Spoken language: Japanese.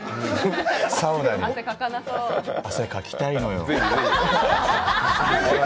汗かきたいのよ。